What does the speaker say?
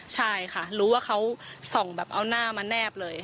ใช่ค่ะรู้ว่าเขาส่องแบบเอาหน้ามาแนบเลย